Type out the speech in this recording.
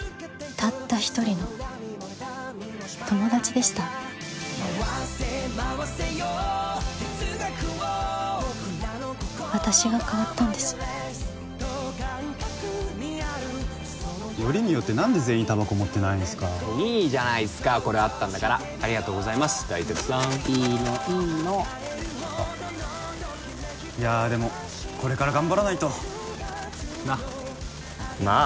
たった一人の友達でした私が変わったんですよりによって何で全員たばこ持ってないんすかいいじゃないっすかこれあったんだからありがとうございます大鉄さんいいのいいのいやでもこれから頑張らないとなっまあ